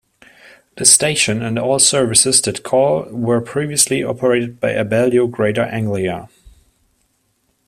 The station and all services that call were previously operated by Abellio Greater Anglia.